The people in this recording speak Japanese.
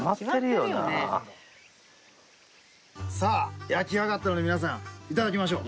さあ焼き上がったので皆さん頂きましょう。